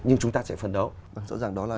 nhưng chúng ta sẽ phân đấu rõ ràng đó là